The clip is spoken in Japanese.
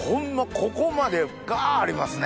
ここまでガありますね。